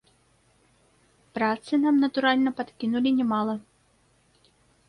Працы нам, натуральна, падкінулі не мала.